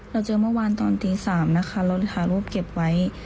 เราเจอเมื่อวานตอนตี๓นะคะเราถ่ายรูปเก็บไว้